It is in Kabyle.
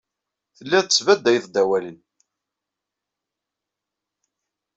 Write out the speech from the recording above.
Telliḍ tesbadayeḍ-d awalen.